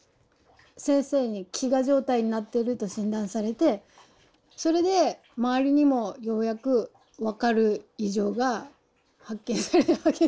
先生に飢餓状態になってると診断されてそれで周りにもようやく分かる異常が発見されたわけです。